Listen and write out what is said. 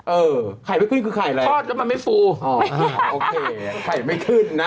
เออไข่ไม่ขึ้นคือไข่แล้วทอดแล้วมันไม่ฟูอ๋อโอเคไข่ไม่ขึ้นนะ